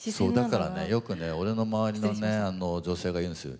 だからねよくね俺の周りのね女性が言うんですよ。